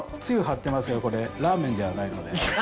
つゆ張ってますけどこれラーメンではないので。